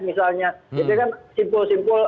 misalnya itu kan simpul simpul